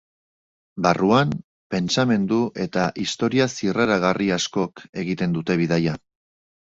Barruan, pentsamendu eta historia zirraragarri askok egiten dute bidaia.